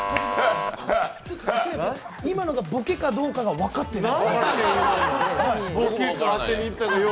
今のがボケかどうか分かってない。